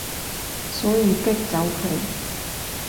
所以激走佢